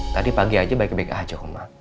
tadi pagi aja baik baik aja kemarin